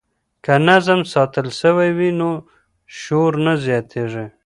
که نظم ساتل سوی وي نو شور نه زیاتیږي.